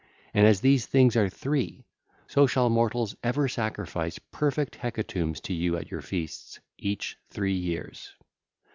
And as these things are three 2504, so shall mortals ever sacrifice perfect hecatombs to you at your feasts each three years.